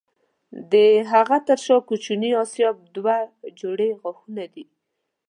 د هغه تر شا کوچني آسیاب دوه جوړې غاښونه دي.